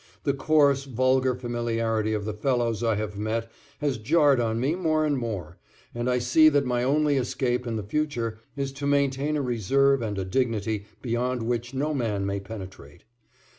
The coarse, vulgar familiarity of the fellows I have met has jarred on me more and more, and I see that my only escape in the future is to maintain a reserve and a dignity beyond which no man may penetrate.